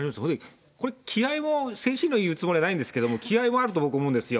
これ、気合いも、精神論するつもりはありませんけど、気合いもあると僕、思うんですよ。